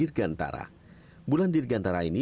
bulan dirgantara ini berhasil mengembangkan kondisi udara